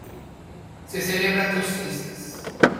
Se celebran dos fiestas.